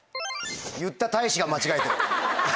言ったたいしが間違えてる。